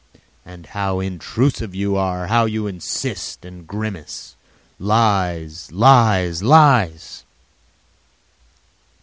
And how intrusive you are, how you insist and grimace! Lies, lies, lies!"